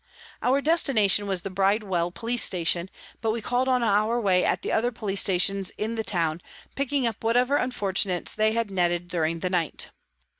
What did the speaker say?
Our destination was the Bridewell Police Station, but we called on our way at the other police stations in the town, picking up whatever unfortunates they had netted during the night.